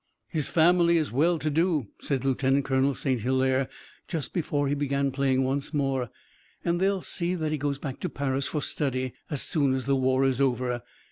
"His family is well to do," said Lieutenant Colonel St. Hilaire just before he began playing once more, "and they'll see that he goes back to Paris for study as soon as the war is over.